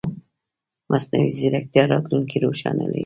مصنوعي ځیرکتیا راتلونکې روښانه لري.